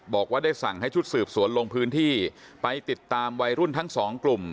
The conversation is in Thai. บอกว่าได้สั่งให้ชุดสืบสวนลงพื้นที่ไปติดตามวัยรุ่นทั้งสองกลุ่ม